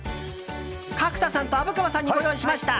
角田さんと虻川さんにご用意しました。